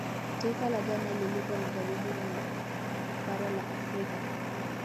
Taifa la Ghana lililopo magharibi mwa bara la Afrika